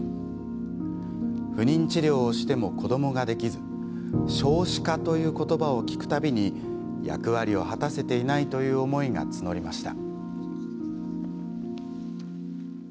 不妊治療をしても子どもができず「少子化」という言葉を聞く度に役割を果たせていないという思いが募りました。